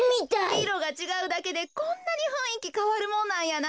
いろがちがうだけでこんなにふんいきかわるもんなんやな。